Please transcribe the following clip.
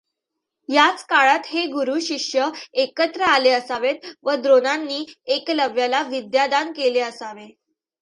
याच काळात हे गुरू शिष्य एकत्र आले असावेत व द्रोणांनी एकलव्याला विद्यादान केले असावे.